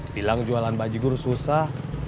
bilang jualan bajigur susah